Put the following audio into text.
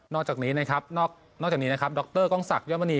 นอกจากนี้นะครับดรกองศักดิ์เยาวมณี